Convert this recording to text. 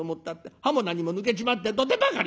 歯も何も抜けちまって土手ばかり」。